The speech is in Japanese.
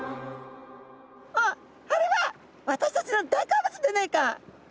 「あっあれは私たちの大好物でねえか」。